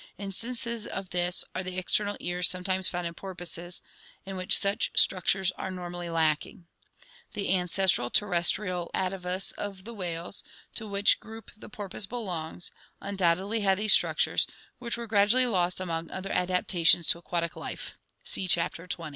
Instances of this are the external ears sometimes found in porpoises, in which such structures are normally lacking. The ancestral terrestrial atavus of the whales, to which group the porpoise belongs, undoubtedly had these structures, which were gradually lost among other adapta tions to aquatic life (see Chapter XX).